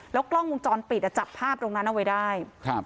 แล้วกล้องมุมจรปิดจับภาพตรงนั้นเอาไว้ได้